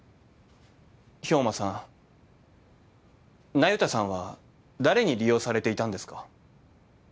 那由他さんは誰に利用されていたんですか？